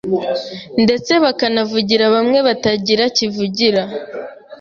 ndetse bakanavugira bamwe batagira kivugira,